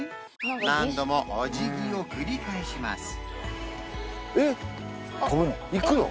何度もお辞儀を繰り返しますえっ行くの？